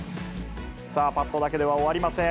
さあ、パットだけでは終わりません。